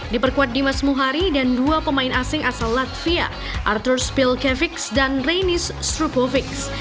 diperkuat dimas muhari dan dua pemain asing asal latvia artur spilkevics dan reynis strupovics